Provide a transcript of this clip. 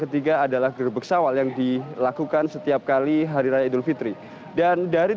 ketiga adalah gerbek sawal yang dilakukan setiap kali hari raya idul fitri dan dari